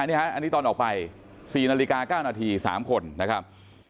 อันนี้ครับอันนี้ตอนออกไป๔นาฬิกา๙นาที๓คนนะครับ